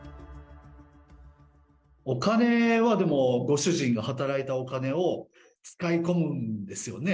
お金はでも、ご主人が働いたお金を使い込むんですよね？